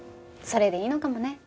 それでいいのかもね。